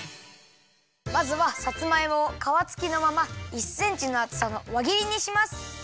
まずはさつまいもをかわつきのまま１センチのあつさのわぎりにします。